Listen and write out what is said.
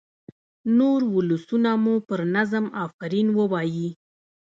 نور ولسونه مو پر نظم آفرین ووايي.